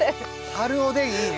春おでんいいね。